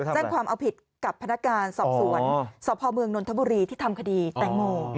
แจ้งความเอาผิดกับพนักงานสอบสวนสพเมืองนนทบุรีที่ทำคดีแตงโม